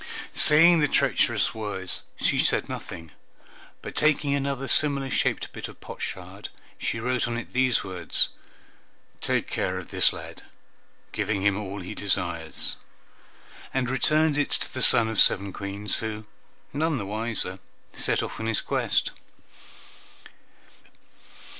Seeing the treacherous words, she said nothing, but taking another similar shaped bit of potsherd, she wrote on it these words, "Take care of this lad, giving him all he desires," and returned it to the son of seven Queens, who, none the wiser, set off on his quest.